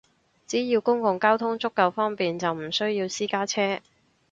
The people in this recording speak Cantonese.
只要公共交通足夠方便，就唔需要私家車